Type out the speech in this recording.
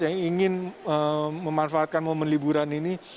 yang ingin memanfaatkan momen liburan ini